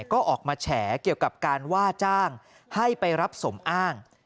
ก็ออกมาแฉเกี่ยวกับการว่าจ้างให้ไปรับสมอ้าง